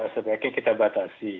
sebaiknya kita batasi